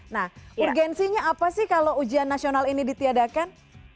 nah urgensinya apa sih kalau ujian nasional ini ditiadakan